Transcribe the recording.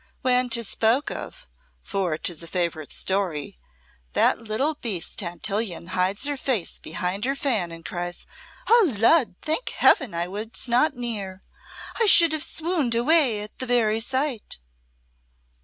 When 'tis spoke of for 'tis a favourite story that little beast Tantillion hides her face behind her fan and cries, 'Oh, Lud! thank Heaven I was not near. I should have swooned away at the very sight.'"